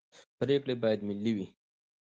پرېکړې باید ملي وي